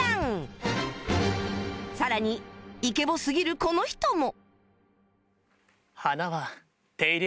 さらにイケボすぎるこの人も